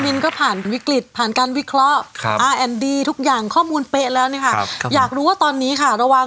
โปรดติดตามตอนต่อไป